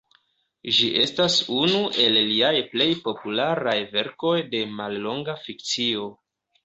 Ĝi estas unu el liaj plej popularaj verkoj de mallonga fikcio.